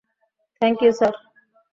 Thank you, sir.